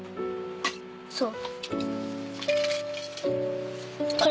そう。